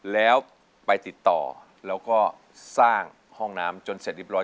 แล้วไปติดต่อแล้วก็สร้างห้องน้ำจนเสร็จเรียบร้อ